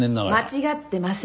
間違ってません。